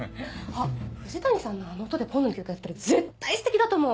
あっ藤谷さんのあの音で今度の曲やったら絶対ステキだと思う！